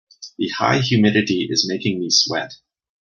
The high humidity is making me sweat.